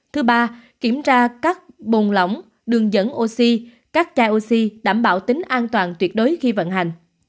thứ ba kiểm tra các bồn lỏng đường dẫn oxy các chai oxy đảm bảo tính an toàn tuyệt đối khi vận hành